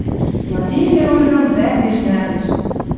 Владимир Ольгам вӓтеш нӓлеш!